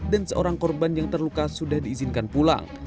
dan seorang korban yang terluka sudah diizinkan pulang